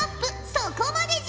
そこまでじゃ！